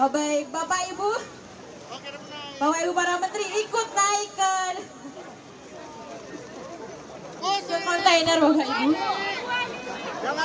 baik bapak ibu bapak ibu para menteri ikut naik ke kontainer bapak